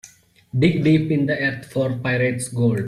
Dig deep in the earth for pirate's gold.